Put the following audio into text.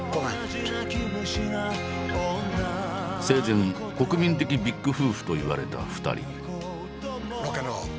生前国民的ビッグ夫婦といわれた２人。